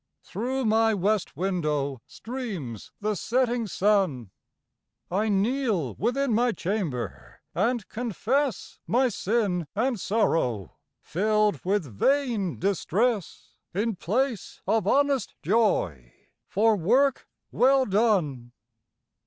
Through my west window streams the setting sun. I kneel within my chamber, and confess My sin and sorrow, filled with vain distress, In place of honest joy for work well done.